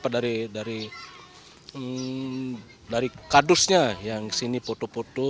dari kadusnya yang kesini foto foto